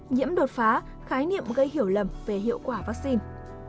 nhiễm đột phá khái niệm gây hiểu lầm về hiệu quả vaccine